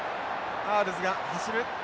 アールズが走る。